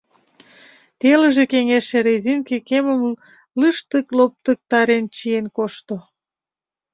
Телыже-кеҥежше резинке кемым лыштык-лоптыктарен чиен кошто.